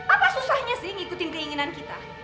apa susahnya sih ngikutin keinginan kita